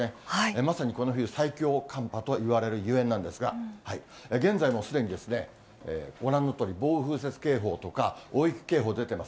まさにこの冬最強寒波といわれるゆえんなんですが、現在もうすでに、ご覧のとおり、暴風雪警報とか大雪警報出ています。